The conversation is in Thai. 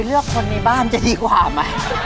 เลือกคนในบ้านจะดีกว่าไหม